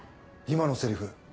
今のセリフ